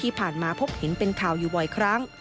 ที่ผ่านมาพบเห็นเป็นข่าวอยู่บ่อยครั้ง